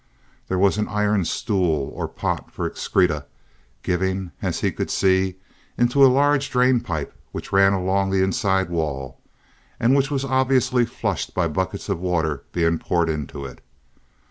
There was an iron stool or pot for excreta, giving, as he could see, into a large drain pipe which ran along the inside wall, and which was obviously flushed by buckets of water being poured into it.